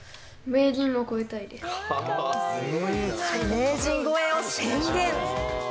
名人超えを宣言。